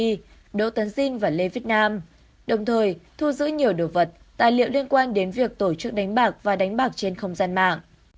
đỗ tấn dinh và lê việt nam đồng thời thu giữ nhiều đồ vật tài liệu liên quan đến việc tổ chức đánh bạc và đánh bạc trên không gian mạng